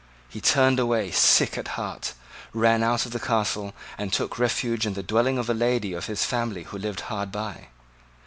He turned away sick at heart, ran out of the Castle, and took refuge in the dwelling of a lady of his family who lived hard by.